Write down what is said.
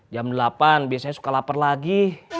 jam delapan biasanya suka lapar lagi